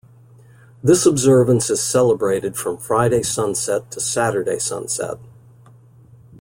This observance is celebrated from Friday sunset to Saturday sunset.